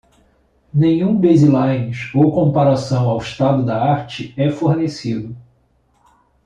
Nenhum baselines ou comparação ao estado da arte é fornecido.